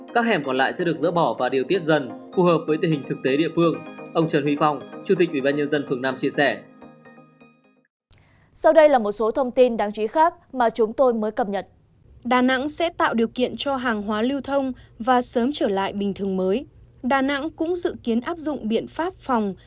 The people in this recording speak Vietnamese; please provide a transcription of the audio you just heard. các hẻm còn lại sẽ được dỡ bỏ và điều tiết dần phù hợp với tình hình thực tế địa phương